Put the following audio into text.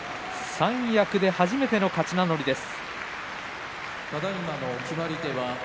三役で初めての勝ち名乗りです。